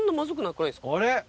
あれ？